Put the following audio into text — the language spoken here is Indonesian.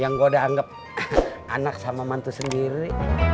yang gue udah anggap anak sama mantu sendiri